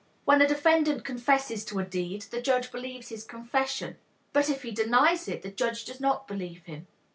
When a defendant confesses to a deed, the judge believes his confession. But if he denies it, the judge does not believe him.